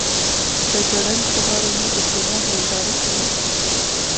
د ګړنګ په غاړه موږ د سیلاب ننداره کوله